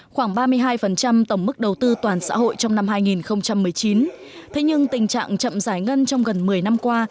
khoảng ba mươi hai tổng mức đầu tư toàn xã hội trong năm hai nghìn một mươi chín thế nhưng tình trạng chậm giải ngân trong gần một mươi năm qua